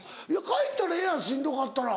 帰ったらええやんしんどかったら。